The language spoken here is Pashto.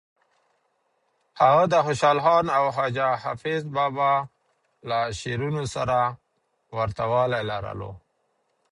هغه د خوشحال خان او خواجه حافظ بابا له شعرونو سره ورته والی لرلو.